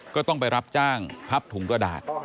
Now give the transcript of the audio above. ก็ต้องไปรับจ้างพับถุงกระดาษ